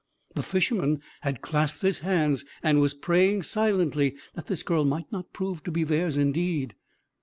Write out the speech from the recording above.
The Fisherman has clasped his hands, and was praying silently that this girl might not prove to be theirs indeed.